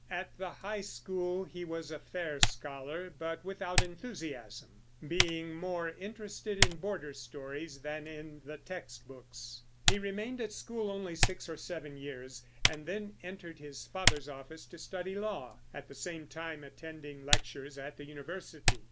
At the high school he was a fair scholar, but without enthusiasm, being more interested in Border stories than in the text books. He remained at school only six or seven years, and then entered his father's office to study law, at the same time attending lectures at the university.